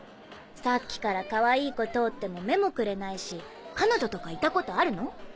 さっきからかわいい子通っても目もくれないし彼女とかいたことあるの？